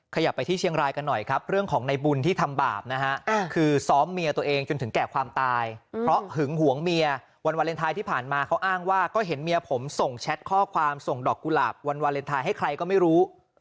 ขยับไปที่เชียงรายกันหน่อยครับเรื่องของในบุญที่ทำบาปนะฮะคือซ้อมเมียตัวเองจนถึงแก่ความตายเพราะหึงหวงเมียวันวาเลนไทยที่ผ่านมาเขาอ้างว่าก็เห็นเมียผมส่งแชทข้อความส่งดอกกุหลาบวันวาเลนไทยให้ใครก็ไม่รู้